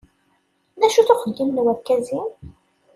Acu-t uxeddim n urgaz-im?